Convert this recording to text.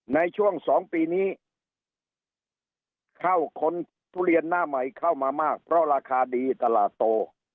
ในช่วง๒ปีนี้เข้าคนทุเรียนหน้าใหม่เข้ามามากเพราะราคาดีตลาดโต